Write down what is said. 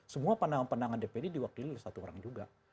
semua pandangan pandangan dpd diwakili oleh satu orang juga